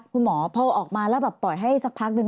คุณหมอพอออกมาแล้วแบบปล่อยให้สักพักหนึ่ง